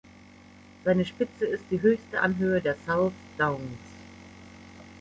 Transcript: Seine Spitze ist die höchste Anhöhe der South Downs.